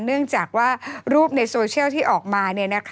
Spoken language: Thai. เนื่องจากว่ารูปในโซเชียลที่ออกมา